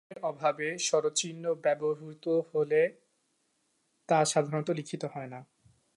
স্বরবর্ণের অভাবে স্বরচিহ্ন ব্যবহূত হলেও তা সাধারণত লিখিত হয় না।